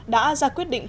đã ra quyết định